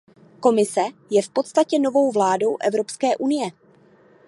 Komise je v podstatě novou vládou Evropské unie.